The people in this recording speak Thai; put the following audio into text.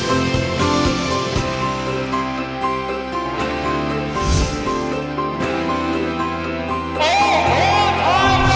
โอโหพร้อมโอโหโอโหโอโห